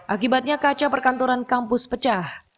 akibatnya kaca perkantoran kampus pecah